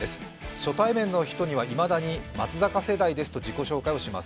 初対面の人にはいまだに、松坂世代ですと自己紹介します。